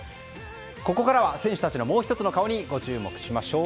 ここからは選手たちのもう１つの顔にご注目しましょう。